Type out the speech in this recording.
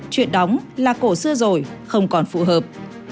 chuyện đóng là cổ xưa rồi không còn phù hợp